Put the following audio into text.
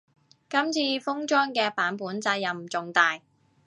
今次封裝嘅版本責任重大